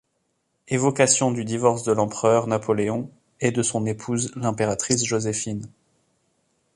Évocation du divorce de l'empereur Napoléon et de son épouse l'impératrice Joséphine.